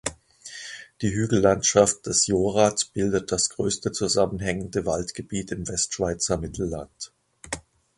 Die Hügellandschaft des "Jorat" bildet das grösste zusammenhängende Waldgebiet im Westschweizer Mittelland.